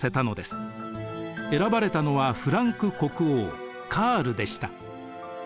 選ばれたのはフランク国王カールでした。